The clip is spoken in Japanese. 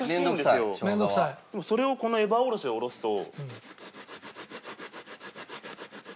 でもそれをこのエバーおろしでおろすと。